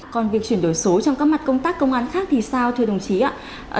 còn việc chuyển đổi số trong các mặt công tác công an khác thì sao thưa đồng chí ạ